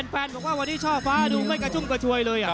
บอกว่าวันนี้ช่อฟ้าดูไม่กระชุ่มกระชวยเลย